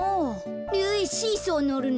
シーソーのるの？